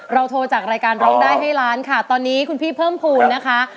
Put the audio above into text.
โทรจากรายการร้องได้ให้ล้านค่ะตอนนี้คุณพี่เพิ่มภูมินะคะ